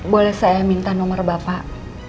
boleh saya minta nomor bapak